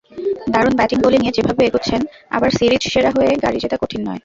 দারুণ ব্যাটিং-বোলিংয়ে যেভাবে এগোচ্ছেন, আবার সিরিজসেরা হয়ে গাড়ি জেতা কঠিন নয়।